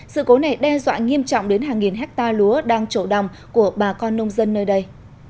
sự cố này đe dọa nghiêm trọng đến hàng nghìn hectare lúa đang trổ đồng của bà con nông dân nơi đây